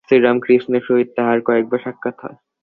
শ্রীরামকৃষ্ণের সহিত তাঁহার কয়েকবার সাক্ষাৎ হয়।